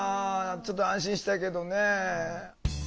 ちょっと安心したけどね。